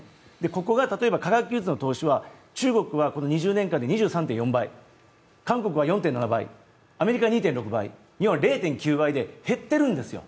ここが例えば科学技術の投資は中国はこの２０年で２３．４倍、アメリカは２．６倍、日本は０．９倍で減っているんですよ。